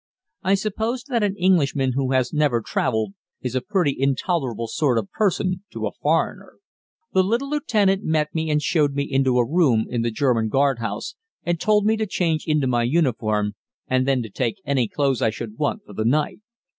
I suppose that an Englishman who has never traveled is a pretty intolerable sort of person to a foreigner! The little lieutenant met me and showed me into a room in the German guardhouse, and told me to change into my uniform, and then to take any clothes I should want for the night.